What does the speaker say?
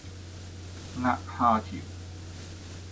呃蝦條